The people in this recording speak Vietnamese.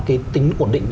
cái tính ổn định